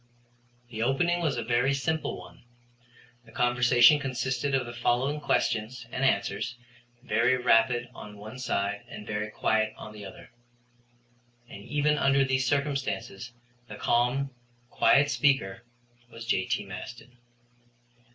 The opening was a very simple one. The conversation consisted of the following questions and answers, very rapid on one side and very quiet on the other. And even under these circumstances the calm, quiet speaker was J.T. Maston.